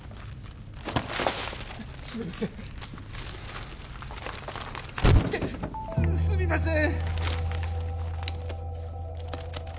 すみませんイテッすみません